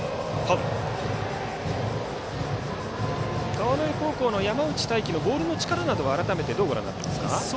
川之江高校の山内太暉のボールの力などは改めてどうご覧になっていますか。